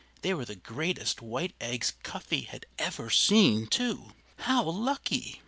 They were the greatest white eggs Cuffy had ever seen, too. How lucky!